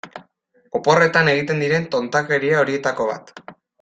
Oporretan egiten diren tontakeria horietako bat.